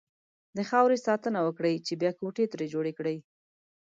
د خاورې ساتنه وکړئ! چې بيا کوټې ترې جوړې کړئ.